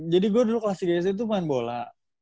jadi gue dulu kelas tiga sd tuh main bola